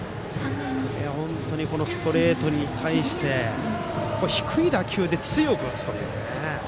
ストレートに対して低い打球で強く打つというね。